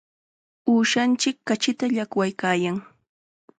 Uushanchik kachita llaqwaykaayan.